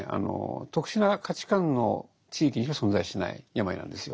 特殊な価値観の地域にしか存在しない病なんですよ。